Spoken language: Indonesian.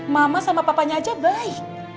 mama sama papanya aja baik